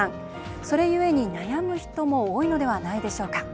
それゆえに、悩む人も多いのではないでしょうか。